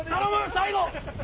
最後。